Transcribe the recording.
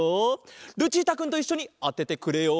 ルチータくんといっしょにあててくれよ！